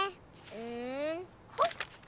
うんほっ！